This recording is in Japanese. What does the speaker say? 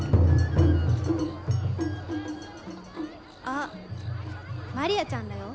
あっマリアちゃんらよ。